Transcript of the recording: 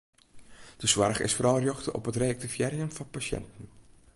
De soarch is foaral rjochte op it reaktivearjen fan pasjinten.